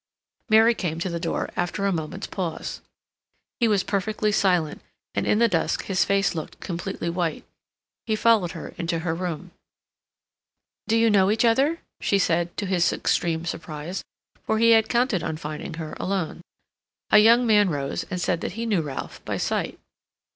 Mary came to the door after a moment's pause. He was perfectly silent, and in the dusk his face looked completely white. He followed her into her room. "Do you know each other?" she said, to his extreme surprise, for he had counted on finding her alone. A young man rose, and said that he knew Ralph by sight.